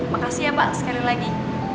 makasih ya pak sekali lagi